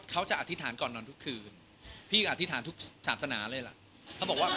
เขาจะอธิษฐานก่อนนอนทุกคืนพี่อธิษฐานทุกสามสนาเลยล่ะ